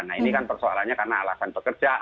nah ini kan persoalannya karena alasan pekerja